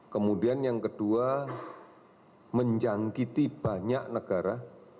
kemudian yang kedua menjangkiti banyak negara